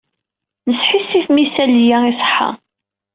Nesḥissif imi isali-a iṣeḥḥa.